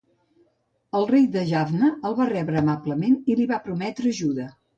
El rei de Jaffna el va rebre amablement i li va prometre ajuda.